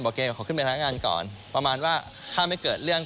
บอกแกก็ขอขึ้นไปกับพนักงานก่อนประมาณว่าห้ามให้เกิดเรื่อง